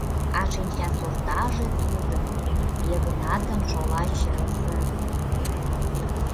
А шинчасортаже Тудын — Йыгнатын шола чызе нерже.